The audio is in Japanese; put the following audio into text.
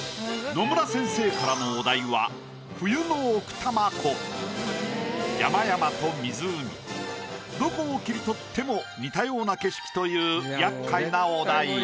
野村先生からの山々と湖どこを切り取っても似たような景色という厄介なお題。